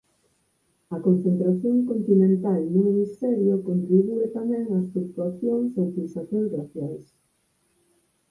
A concentración continental nun hemisferio contribúe tamén ás flutuacións ou pulsacións glaciais.